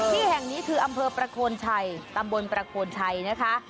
ที่แห่งนี้คืออำเภอประโคนชัยตำบลประโคนชัยนะคะ